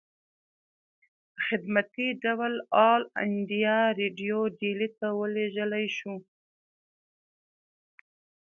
پۀ خدمتي ډول آل انډيا ريډيو ډيلي ته اوليږلی شو